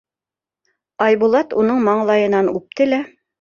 Айбулат уның маңлайынан үпте лә: